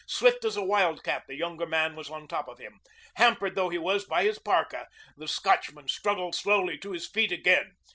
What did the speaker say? Swift as a wildcat the younger man was on top of him. Hampered though he was by his parka, the Scotchman struggled slowly to his feet again.